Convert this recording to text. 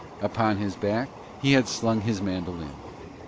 Upon his back he had slung his mandolin.